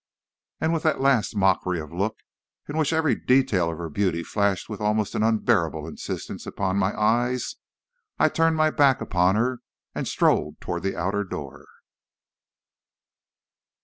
"And with the last mockery of a look, in which every detail of her beauty flashed with almost an unbearable insistence upon my eyes, I turned my back upon her and strode toward the outer door."